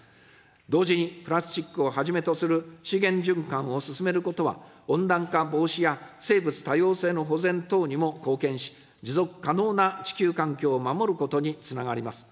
同時に、プラスチックをはじめとする資源循環を進めることは、温暖化防止や生物多様性の保全等にも貢献し、持続可能な地球環境を守ることにつながります。